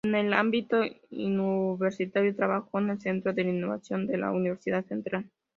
En el ámbito universitario, trabajó en el Centro de Innovación de la Universidad Central.